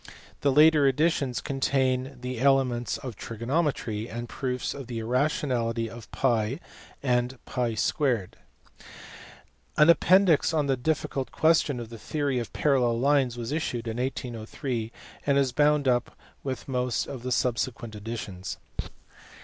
The later editions contain the elements of trigonometry, and proofs of the irrationality of TT and ?r 2 (see above, p. 406). An appendix on the difficult question of the theory of parallel lines was issued in 1803, and is bound up with most of the subsequent editions.